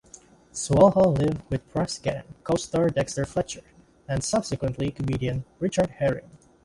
Sawalha lived with "Press Gang" co-star Dexter Fletcher, and subsequently comedian Richard Herring.